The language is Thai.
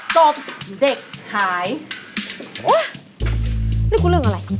สบเด็กหาย